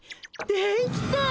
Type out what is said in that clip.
できた！